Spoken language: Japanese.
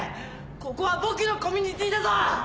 ここは僕のコミュニティーだぞ！